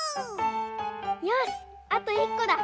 よしあといっこだ！